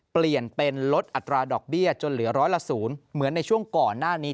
เปลี่ยนเป็นลดอัตราดอกเบี้ยจนเหลือร้อยละ๐เหมือนในช่วงก่อนหน้านี้